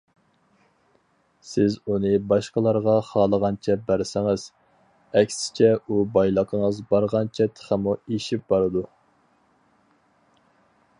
سىز ئۇنى باشقىلارغا خالىغانچە بەرسىڭىز، ئەكسىچە ئۇ بايلىقىڭىز بارغانچە تېخىمۇ ئېشىپ بارىدۇ.